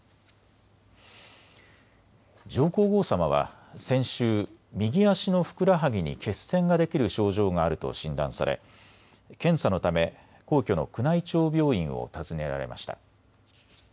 上皇后さまは先週、右足のふくらはぎに血栓ができる症状があると診断され検査のため皇居の宮内庁病院を訪ねられました。